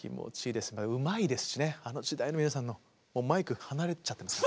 うまいですしねあの時代の皆さんのもうマイク離れちゃってます。